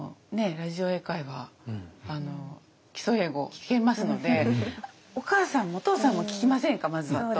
「ラジオ英会話」「基礎英語」聴けますのでお母さんもお父さんも聴きませんかまずはと。